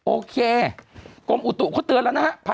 โอเคกรมอุตุเขาเตือนแล้วนะฮะ